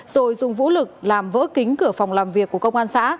rồi dùng vũ lực làm vỡ kính cửa phòng làm việc của công an xã